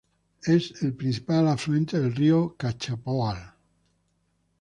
Es el principal afluente del río Cachapoal.